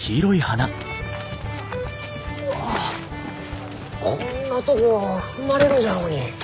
うわこんなとこ踏まれるじゃろうに。